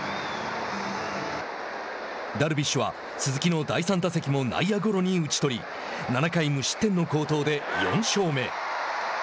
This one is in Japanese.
ダルビッシュは鈴木の第３打席も内野ゴロに打ち取り７回無失点の好投で４勝目。